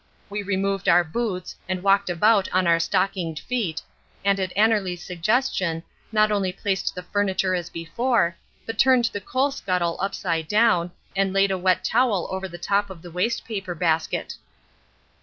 We removed our boots, and walked about on our stockinged feet, and at Annerly's suggestion, not only placed the furniture as before, but turned the coal scuttle upside down, and laid a wet towel over the top of the wastepaper basket.